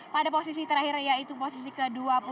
pada posisi terakhir yaitu posisi ke dua puluh satu